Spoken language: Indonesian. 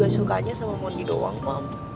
gak suka sama mondi doang mam